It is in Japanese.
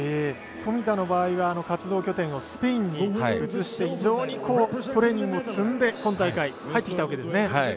富田の場合は活動拠点をスペインに移して非常にトレーニングを積んで今大会入ってきたわけですね。